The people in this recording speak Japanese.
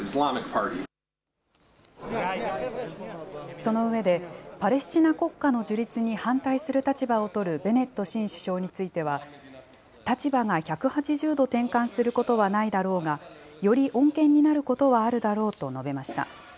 その上で、パレスチナ国家の樹立に反対する立場を取るベネット新首相については、立場が１８０度転換することはないだろうが、より穏健になることはあるだろうと述べました。